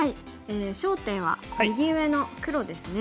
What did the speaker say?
焦点は右上の黒ですね。